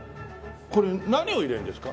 これ何を入れるんですか？